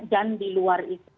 dan di luar itu